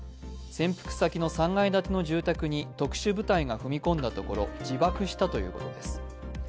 潜伏先の３階建ての住宅に特殊部隊が踏み込んだところ自爆したということです。